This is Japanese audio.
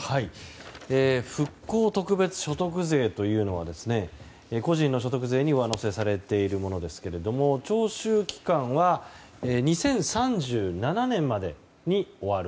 復興特別所得税というのは個人の所得税に上乗せされているものですけども徴収期間は２０３７年までに終わる。